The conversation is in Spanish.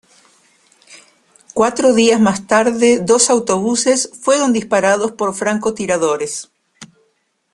Cuatro días más tarde, dos autobuses fueron disparados por francotiradores.